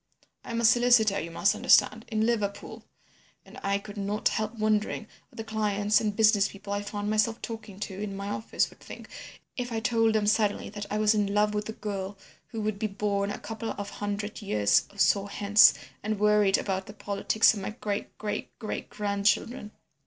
I am a solicitor, you must understand, in Liverpool, and I could not help wondering what the clients and business people I found myself talking to in my office would think if I told them suddenly I was in love with a girl who would be born a couple of hundred years or so hence, and worried about the politics of my great great great grandchildren.